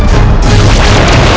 tidak ada kesalahan